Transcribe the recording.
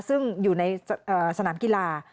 ซึ่งอยู่ในสนามกีฬา